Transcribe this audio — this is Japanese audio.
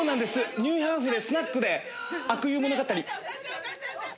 ニューハーフでスナックで『阿久悠物語』。